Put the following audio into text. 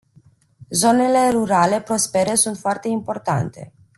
Zonele rurale prospere sunt foarte importante.